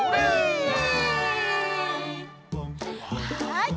はい。